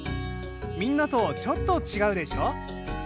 みんなとちょっと違うでしょ？